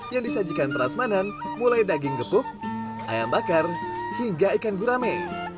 yang disajikan peras manan mulai daging gepuk ayam bakar hingga ikan gurame